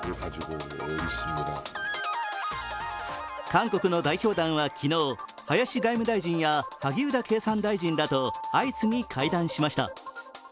韓国の代表団は昨日、林外務大臣や萩生田経産大臣らと相次いで会談しました。